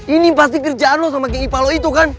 ini pasti kerjaan lo sama geng ipa lo itu kan